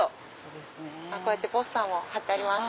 こうやってポスターも張ってあります。